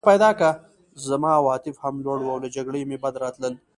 زما عواطف هم لوړ وو او له جګړې مې بد راتلل